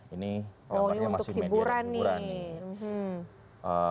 ini gambarnya masih media